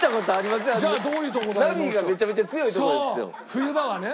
冬場はね。